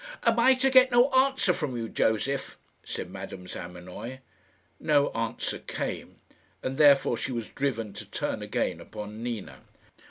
"Am I to get no answer from you, Josef?" said Madame Zamenoy. No answer came, and therefore she was driven to turn again upon Nina.